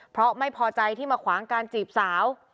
เพราะไม่พอใจที่มาขวางการจีบสาว